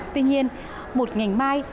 tuy nhiên một ngành mai